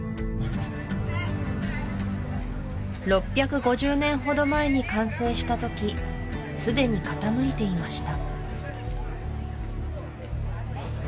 ６５０年ほど前に完成した時すでに傾いていました